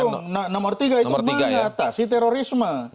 dong nomor tiga itu mengatasi terorisme